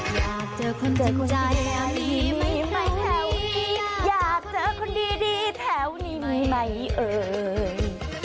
อยากเจอคนดีแถวนี้มีไหมเอ่ย